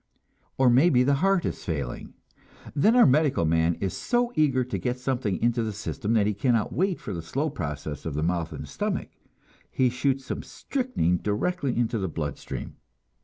Or maybe the heart is failing; then our medical man is so eager to get something into the system that he cannot wait for the slow process of the mouth and the stomach, he shoots some strychnine directly into the blood stream.